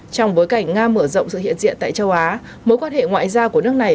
trong bối cảnh nga mở rộng sự hiện diện tại châu á mối quan hệ ngoại giao của nước này